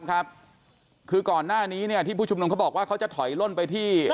ครับคือก่อนหน้านี้เนี่ยที่ผู้ชุมนุมเขาบอกว่าเขาจะถอยล่นไปที่